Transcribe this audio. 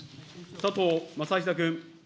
佐藤正久君。